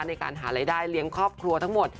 ในการหารายได้เลี้ยงครอบครัวทั้งหมด